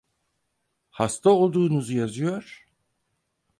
Hasta olduğunuzu yazıyor!